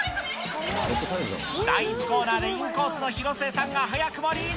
第１コーナーで、インコースの広末さんが早くもリード。